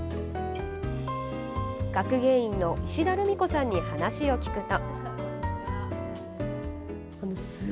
学芸員の石田留美子さんに話を聞くと。